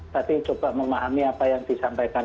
tadi coba memahami apa yang disampaikan